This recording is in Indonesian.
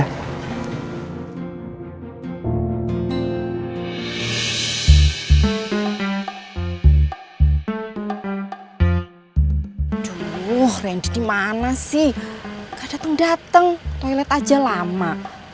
aduh randy di mana sih gak dateng dateng toilet aja lama